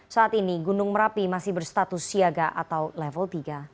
saat ini gunung merapi masih berstatus siaga atau level tiga